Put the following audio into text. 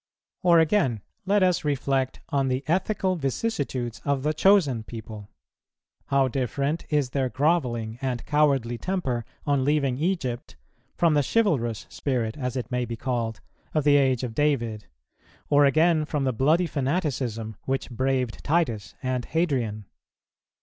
Or again, let us reflect on the ethical vicissitudes of the chosen people. How different is their grovelling and cowardly temper on leaving Egypt from the chivalrous spirit, as it may be called, of the age of David, or, again, from the bloody fanaticism which braved Titus and Hadrian!